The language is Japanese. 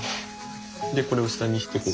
これを下にしてこう？